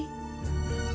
ibu apa kabar